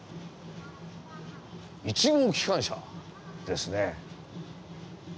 １号機関車ですね。